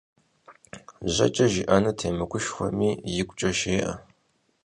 ЖьэкӀэ жиӀэну темыгушхуэми, игукӀэ жеӀэ.